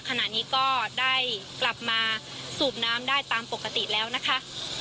ขณะนี้ก็ได้กลับมาสูบน้ำได้ตามปกติแล้วนะคะ